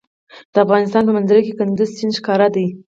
د افغانستان په منظره کې کندز سیند ښکاره ده.